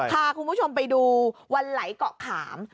พาคุณผู้ชมไปดูวันไหลเกาะขาม